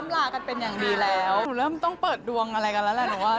หนูเริ่มต้องเปิดดวงอะไรกันแล้วแหละหนูว่า